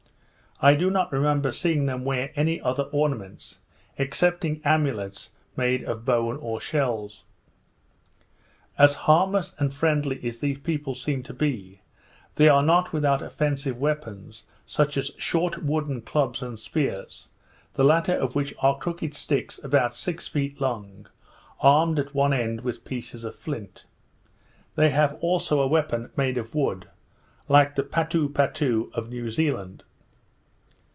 I do not remember seeing them wear any other ornaments, excepting amulets made of bone or shells. As harmless and friendly as these people seemed to be, they are not without offensive weapons, such as short wooden clubs and spears; the latter of which are crooked sticks about six feet long, armed at one end with pieces of flint. They have also a weapon made of wood, like the Patoo patoo of New Zealand.